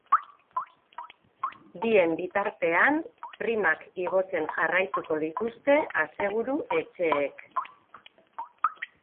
Bien bitartean, primak igotzen jarraituko dituzte aseguru-etxeek.